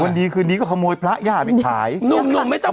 วันนี้คืนนี้ก็ขโมยพระย่าไปขายหนุ่มไม่ต้องไปถึงห้๕๐๐๐